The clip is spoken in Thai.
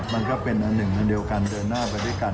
มันก็เป็นอันหนึ่งอันเดียวกันเดินหน้าไปด้วยกัน